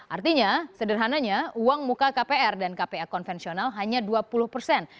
artinya sederhananya uang muka kpr dan kpa konvensional hanya dua puluh persen